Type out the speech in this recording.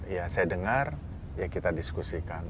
ya saya dengar ya kita diskusikan